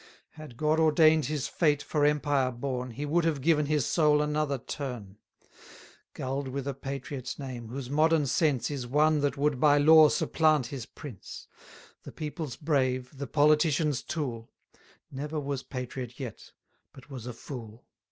Had God ordain'd his fate for empire born, He would have given his soul another turn: Gull'd with a patriot's name, whose modern sense Is one that would by law supplant his prince; The people's brave, the politician's tool; Never was patriot yet, but was a fool.